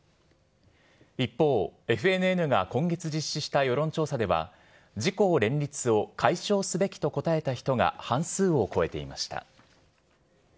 一方、ＦＮＮが今月実施した世論調査では、自公連立を解消すべきと答えた人が半数を超えていました。